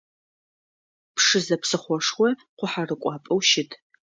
Пшызэ псыхъошхо, къухьэрыкӏуапӏэу щыт.